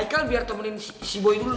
haikal biar temenin si boy dulu